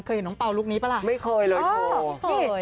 เคยเห็นน้องเปล่าลูกนี้ป่ะล่ะไม่เคยเลยโอ้โหไม่เคย